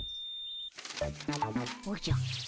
おじゃ。